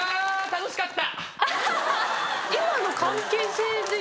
楽しかった。